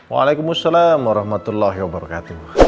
waalaikumsalam warahmatullahi wabarakatuh